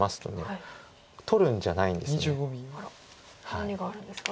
何があるんですか？